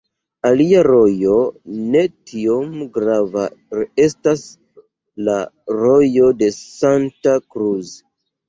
Alia rojo ne tiom grava estas la Rojo de Santa Cruz.